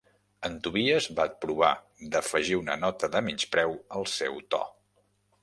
En Tobias va provar d'afegir una nota de menyspreu al seu to.